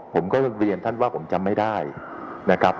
ผมก็เรียนท่านว่าผมจำไม่ได้นะครับ